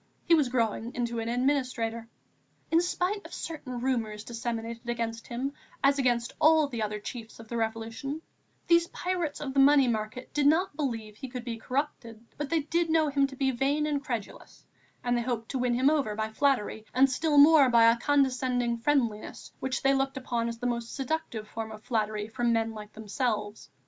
He was growing into an administrator. In spite of certain rumours disseminated against him as against all the other chiefs of the Revolution, these pirates of the money market did not believe he could be corrupted, but they did know him to be vain and credulous, and they hoped to win him over by flattery and still more by a condescending friendliness which they looked upon as the most seductive form of flattery from men like themselves.